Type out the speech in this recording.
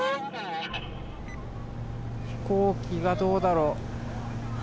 飛行機がどうだろう？